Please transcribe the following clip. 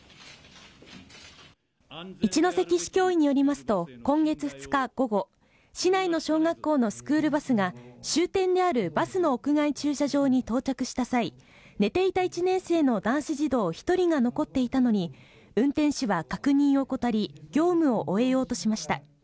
一関市教委によりますと、今月２日午後、市内の小学校のスクールバスが、終点であるバスの屋外駐車場に到着した際、寝ていた１年生の男子児童１人が残っていたのに、運転手は確認を怠り、業務を終えようとしました。